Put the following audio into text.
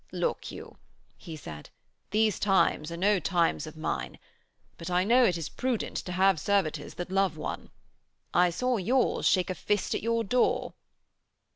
'Look you,' he said, 'these times are no times of mine. But I know it is prudent to have servitors that love one. I saw yours shake a fist at your door.'